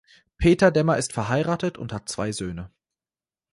Peter Demmer ist verheiratet und hat zwei Söhne.